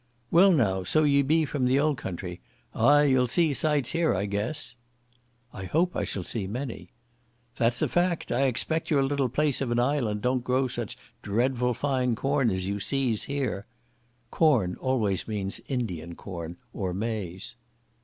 "Well now, so you be from the old country? Ay—you'll see sights here, I guess." "I hope I shall see many." "That's a fact. I expect your little place of an island don't grow such dreadful fine corn as you sees here?" [Corn always means Indian corn, or maize.